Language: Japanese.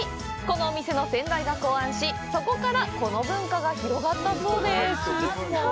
このお店の先代が考案しそこからこの文化が広がったそうです。